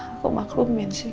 aku maklumin sih